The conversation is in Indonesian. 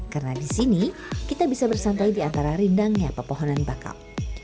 karena di sini kita bisa bersantai di antara rindangnya pepohonan bakau